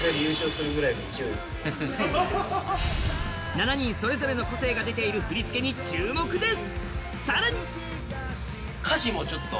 ７人それぞれの個性が出ている振り付けに注目です！